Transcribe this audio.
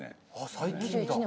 最近だ。